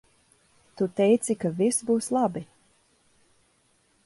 Tu teici ka viss būs labi.